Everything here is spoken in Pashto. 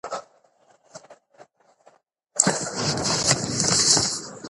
څوک لنډۍ وویلې؟